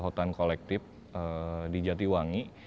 hutan kolektif di jatiwangi